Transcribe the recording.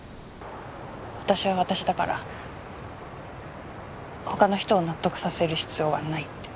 私は私だから他の人を納得させる必要はないって。